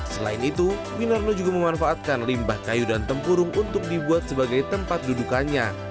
selain itu winarno juga memanfaatkan limbah kayu dan tempurung untuk dibuat sebagai tempat dudukannya